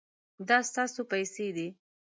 دا ستاسو پیسې دي